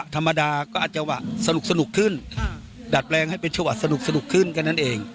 ปรับแรงให้เป็นชะวัดสนุกขึ้นกันนั้นเอง